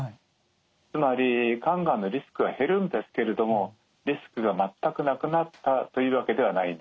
つまり肝がんのリスクは減るんですけれどもリスクが全くなくなったというわけではないんですね。